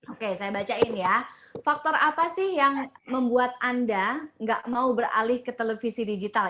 oke saya bacain ya faktor apa sih yang membuat anda nggak mau beralih ke televisi digital